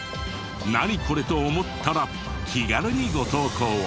「ナニコレ？」と思ったら気軽にご投稿を。